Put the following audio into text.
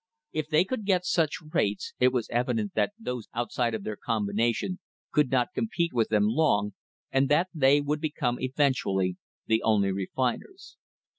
If they could get such rates it was evident that those outside of their combination could not compete with them long and that they would become eventually the only refiners.